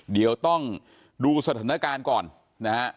เดี๋ยวต้องดูสถานการณ์ก่อนนะฮะ